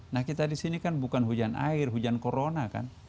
nah kita di sini kan bukan hujan air hujan corona kan